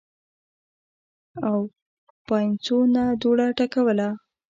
او پاينڅو نه دوړه ټکوهله